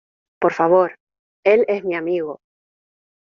Por favor. Él es mi amigo .